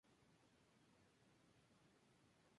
La cabecera del Departamento de Valle es Nacaome.